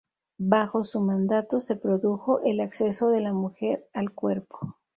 Bajo su mandato se produjo el acceso de la mujer al cuerpo.